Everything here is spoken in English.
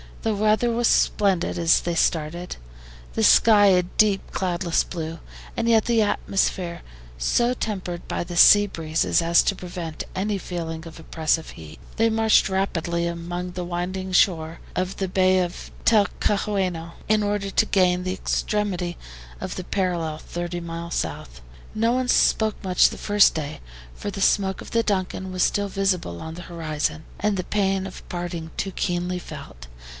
The weather was splendid when they started, the sky a deep cloudless blue, and yet the atmosphere so tempered by the sea breezes as to prevent any feeling of oppressive heat. They marched rapidly along the winding shore of the bay of Talcahuano, in order to gain the extremity of the parallel, thirty miles south. No one spoke much the first day, for the smoke of the DUNCAN was still visible on the horizon, and the pain of parting too keenly felt.